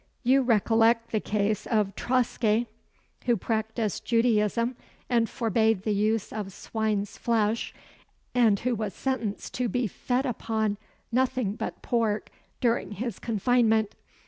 You recollect the case of Traske, who practised Judaism, and forbade the use of swine's flesh, and who was sentenced to be fed upon nothing but pork during his confinement."